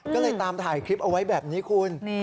ก็เลยตามถ่ายคลิปเอาไว้แบบนี้คุณ